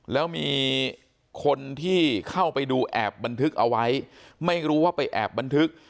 แล้วมีคนที่เข้าไปดูแอบบันทึกเอาไว้ไม่รู้ว่าไปแอบบันทึก